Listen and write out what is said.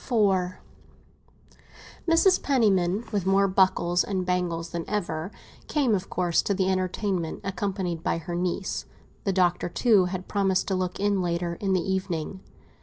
IV MRS. PENNIMAN, with more buckles and bangles than ever, came, of course, to the entertainment, accompanied by her niece; the Doctor, too, had promised to look in later in the evening.